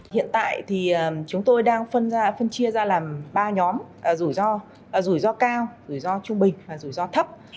hiện tại thì chúng tôi đang phân chia ra làm ba nhóm rủi ro rủi ro cao rủi ro trung bình và rủi ro thấp